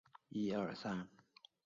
光绪二十四年入保国会。